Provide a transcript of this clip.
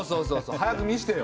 早く見せてよ。